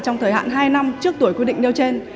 trong thời hạn hai năm trước tuổi quy định nêu trên